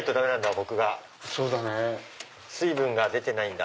僕水分が出てないんだ。